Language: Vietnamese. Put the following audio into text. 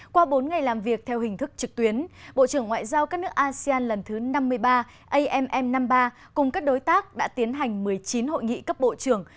qua bốn ngày làm việc theo hình thức trực tuyến bộ trưởng ngoại giao các nước asean lần thứ năm mươi ba amm năm mươi ba cùng các đối tác đã tiến hành một mươi chín hội nghị cấp bộ trưởng